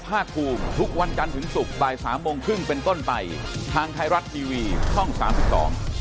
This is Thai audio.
ภารกิจภารกิจภารกิจภารกิจภารกิจภารกิจภารกิจภารกิจภารกิจ